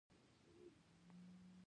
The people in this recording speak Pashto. آیا په عمل کې ځینې ستونزې نشته؟